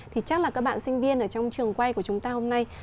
thì chắc là các bạn sinh viên ở trong trường quay của chúng ta hôm nay